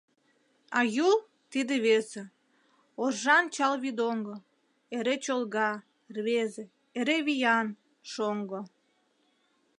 А Юл — тиде весе: Оржан чал вӱдоҥго, Эре чолга, рвезе, Эре виян, шоҥго.